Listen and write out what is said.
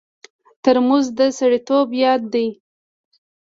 ترموز د سړیتوب یاد دی.